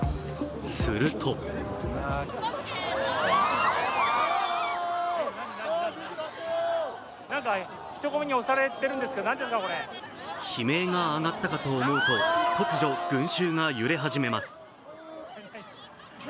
すると悲鳴が上がったかと思うと突如、群衆が揺れ始めます。